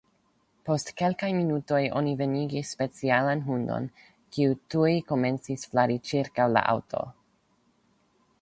Post kelkaj minutoj oni venigis specialan hundon, kiu tuj komencis flari ĉirkaŭ la aŭto.